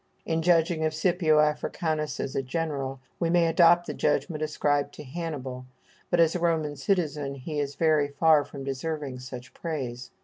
In judging of Scipio Africanus as a general, we may adopt the judgment ascribed to Hannibal; but as a Roman citizen he is very far from deserving such praise.